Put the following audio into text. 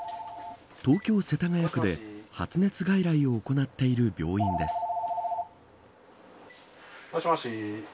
東京、世田谷区で発熱外来を行っている病院です。